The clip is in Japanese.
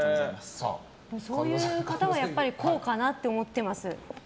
そういう方はこうかなって思ってます。